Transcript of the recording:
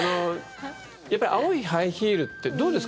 やっぱり、青いハイヒールってどうですか？